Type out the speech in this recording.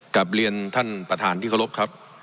กลับเรียนท่านประธานที่เคารพครับ